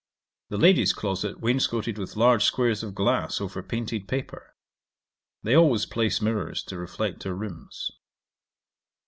The ladies' closet wainscotted with large squares of glass over painted paper. They always place mirrours to reflect their rooms.